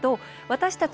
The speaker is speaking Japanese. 私たち